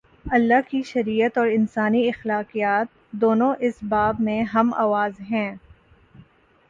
اللہ کی شریعت اور انسانی اخلاقیات، دونوں اس باب میں ہم آواز ہیں۔